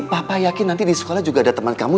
papa yakin nanti di sekolah juga ada teman kamu